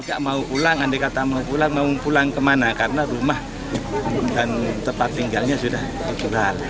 tidak mau pulang andai kata mau pulang mau pulang kemana karena rumah dan tempat tinggalnya sudah